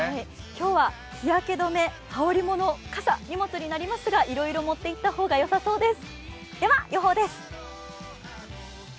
今日は日焼け止め、羽織りもの傘、荷物になりますが、いろいろ持っていった方がよさそうです。